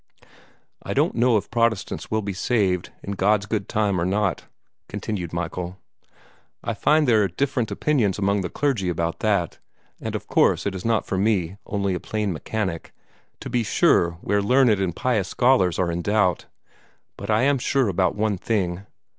"I don't know if Protestants will be saved, in God's good time, or not," continued Michael. "I find there are different opinions among the clergy about that, and of course it is not for me, only a plain mechanic, to be sure where learned and pious scholars are in doubt. But I am sure about one thing.